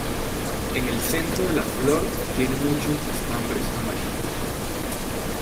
En el centro de la flor tiene muchos estambres amarillos.